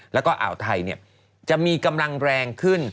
แล้วก็อ่าวไทยจะมีกำลังแรงขึ้น